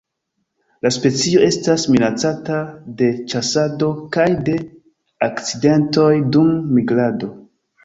La specio estas minacata de ĉasado kaj de akcidentoj dum migrado.